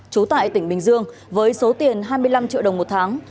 trú tại tỉnh bình dương với số tiền hai mươi năm triệu đồng một tháng